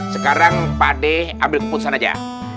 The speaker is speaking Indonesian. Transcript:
sekarang pak ade ambil keputusan aja